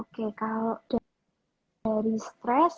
kalau dari stress